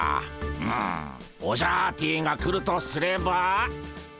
うむオジャアーティが来るとすれば。